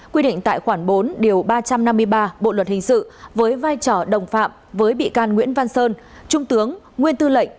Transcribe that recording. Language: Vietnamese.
quy định tại khoản bốn điều ba trăm năm mươi ba bộ luật hình sự với vai trò đồng phạm với bị can nguyễn văn sơn trung tướng nguyên tư lệnh